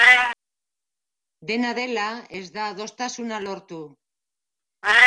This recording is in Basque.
Dena dela, ez da adostasuna lortu.